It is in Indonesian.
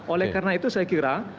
oleh karena itu saya kira